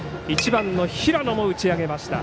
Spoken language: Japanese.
１番の平野も打ち上げました。